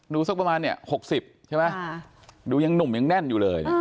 สักประมาณเนี่ย๖๐ใช่ไหมดูยังหนุ่มยังแน่นอยู่เลย